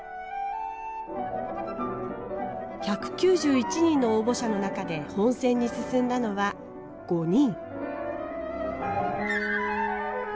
１９１人の応募者の中で本選に進んだのは５人。